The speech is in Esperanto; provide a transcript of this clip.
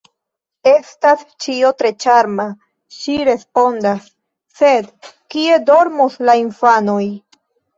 “Estas ĉio tre ĉarma”, ŝi respondas, “sed kie dormos la infanoj?”